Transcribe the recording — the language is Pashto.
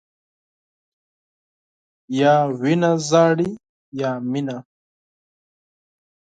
یا وینه ژاړي، یا مینه.